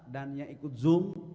dan yang ikut zoom